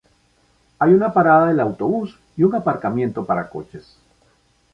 Hay una parada del autobús y un aparcamiento para coches.